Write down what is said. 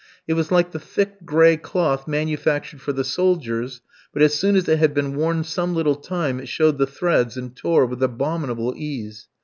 It was like the thick, gray cloth manufactured for the soldiers, but as soon as it had been worn some little time it showed the threads and tore with abominable ease.